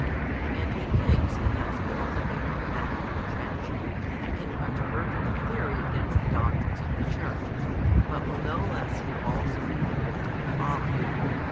And he thinks he has built up a profound, trenchant, and incontrovertible theory against the doctrines of the Church, but will no less here also be convicted of folly.